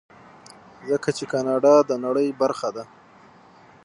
ځکه چې کاناډا د نړۍ برخه ده.